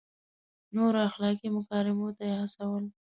نورو اخلاقي مکارمو ته یې هڅول.